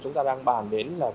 chúng ta đang bàn đến là